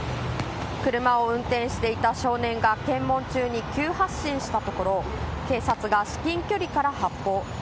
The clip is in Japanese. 車を運転していた少年が検問中に急発進したところ警察が至近距離から発砲。